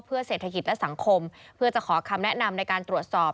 เพื่อเศรษฐกิจและสังคมเพื่อจะขอคำแนะนำในการตรวจสอบ